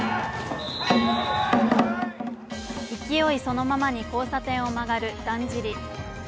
勢いそのままに交差点を曲がるだんじり。